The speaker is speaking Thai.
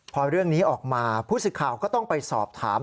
พอเรื่องนี้ออกมาผู้สิทธิ์ข่าวก็ต้องไปสอบถาม